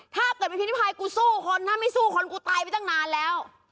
ถ้าเกิดเป็นพินิภัยกูสู้คนถ้าไม่สู้คนกูตายไปตั้งนานแล้ว